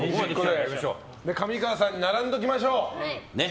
上川さんに並んでおきましょう。